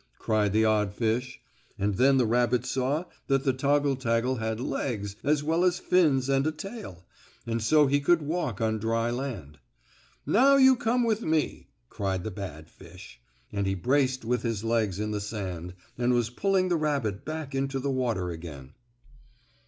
cried the odd fish, and then the rabbit saw that the toggle taggle had legs, as well as fins and a tail, and so he could walk on dry land. "Now you come with me!" cried the bad fish, and he braced with his legs in the sand and was pulling the rabbit back into the water again.